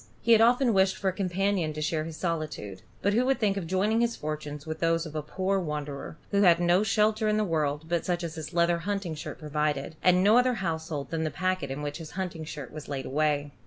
He had often wished for a companion to share his solitude; but who would think of joining his fortunes with those of a poor wanderer, who had no shelter in the world but such as his leather hunting shirt provided, and no other household than the packet in which his hunting shirt was laid away?